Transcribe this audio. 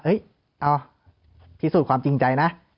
เอ้ยเอ้าที่สุดความจริงใจนะ